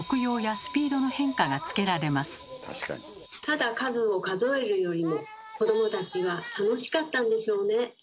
ただ数を数えるよりも子どもたちは楽しかったんでしょうね。